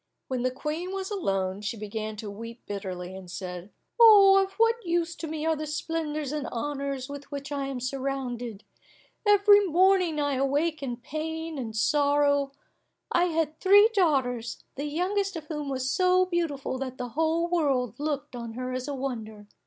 When the Queen was alone, she began to weep bitterly, and said, "Of what use to me are the splendours and honours with which I am surrounded; every morning I awake in pain and sorrow. I had three daughters, the youngest of whom was so beautiful that the whole world looked on her as a wonder.